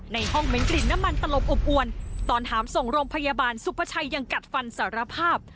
ในห้องเม้นกลิ่นน้ำมันตลบอบอวนตอนหามส่งโรงพยาบาลสุภาชัยยังกัดฟันสารภาพ